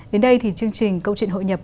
đến đây thì chương trình câu chuyện hội nhập